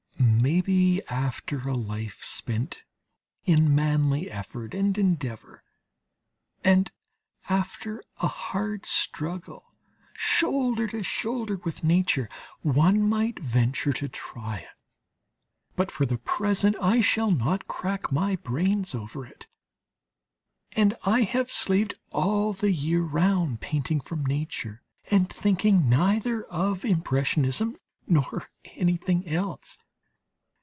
Maybe after a life spent in manly effort and endeavour, and after a hard struggle shoulder to shoulder with nature, one might venture to try it; but for the present I shall not crack my brains over it, and I have slaved all the year round painting from nature, and thinking neither of impressionism nor anything else.